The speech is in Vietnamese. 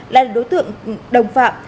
là đối tượng đồng phạm